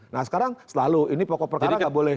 nah sekarang selalu ini pokok perkara nggak boleh